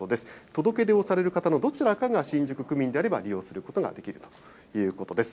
届け出をされる方のどちらかが新宿区民であれば利用することができるということです。